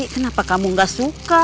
kenapa kamu enggak suka